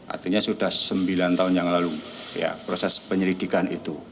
artinya sudah sembilan tahun yang lalu proses penyelidikan itu